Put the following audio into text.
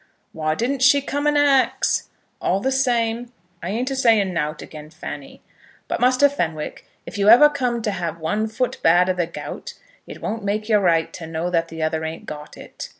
"Why didn't she come and ax? All the same, I ain't a saying nowt again Fanny. But, Muster Fenwick, if you ever come to have one foot bad o' the gout, it won't make you right to know that the other ain't got it.